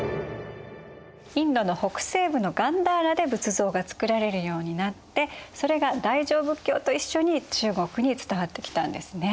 インドの北西部のガンダーラで仏像が作られるようになってそれが大乗仏教と一緒に中国に伝わってきたんですね。